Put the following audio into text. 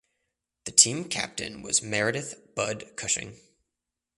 The team captain was Meredith "Bud" Cushing.